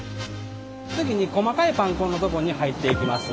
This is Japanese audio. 次に細かいパン粉のとこに入っていきます